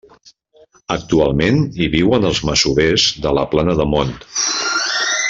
Actualment hi viuen els masovers de la Plana de Mont.